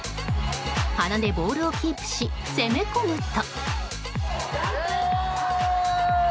鼻でボールキープし攻め込むと。